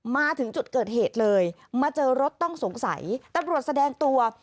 มาถึงจุดเกิดเหตุเลยมาเจอรถต้องสงสัยตำรวจแสดงตัว